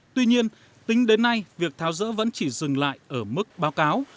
tuy nhiên tính đến nay việc tháo rỡ vẫn chỉ dừng lại ở mức báo cáo